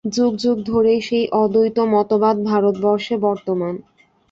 যুগ যুগ ধরেই সেই অদ্বৈত মতবাদ ভারতবর্ষে বর্তমান।